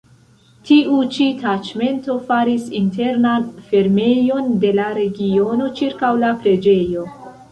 Tiu ĉi taĉmento faris internan fermejon de la regiono ĉirkaŭ la preĝejo.